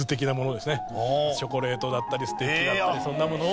チョコレートだったりステッキだったりそんなものを。